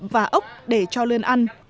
và ốc để cho lươn ăn